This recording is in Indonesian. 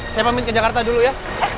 saya pamit ke jakarta dulu ya